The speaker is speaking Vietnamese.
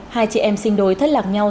hai chị em sinh đôi thất lạc nhau